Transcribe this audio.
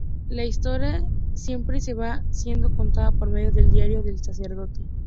Una historia simple que va siendo contada por medio del diario del sacerdote.